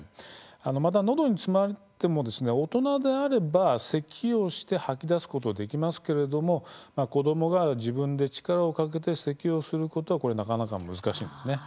また、のどに詰まっても大人であれば、せきをして吐き出すことができますけれども子どもが自分で力をかけてせきをすることはなかなか難しいんです。